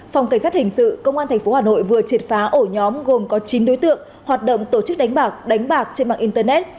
phòng cảnh sát hình sự công an tp hà nội vừa triệt phá ổ nhóm gồm có chín đối tượng hoạt động tổ chức đánh bạc đánh bạc trên mạng internet